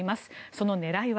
その狙いは？